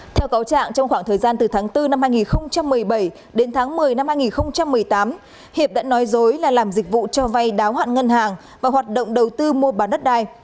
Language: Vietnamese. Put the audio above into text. theo cáo trạng trong khoảng thời gian từ tháng bốn năm hai nghìn một mươi bảy đến tháng một mươi năm hai nghìn một mươi tám hiệp đã nói dối là làm dịch vụ cho vay đáo hạn ngân hàng và hoạt động đầu tư mua bán đất đai